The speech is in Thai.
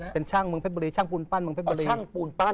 เป็นช่างเมืองเพชรบุรีช่างปูนปั้นเมืองเพชรบุรี